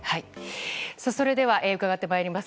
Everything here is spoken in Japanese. それでは伺ってまいります。